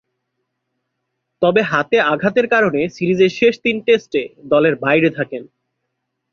তবে, হাতে আঘাতের কারণে সিরিজের শেষ তিন টেস্টে দলের বাইরে থাকেন।